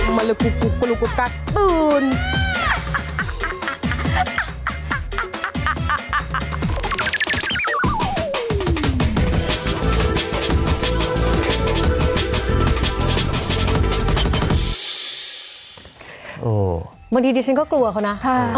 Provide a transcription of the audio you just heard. บางทีดิฉันก็กลัวเขานะ